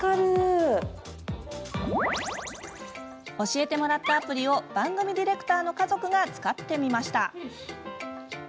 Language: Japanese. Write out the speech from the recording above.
教えてもらったアプリを番組ディレクターの家族が使ってみました。